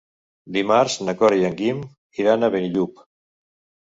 Dimarts na Cora i en Guim iran a Benillup.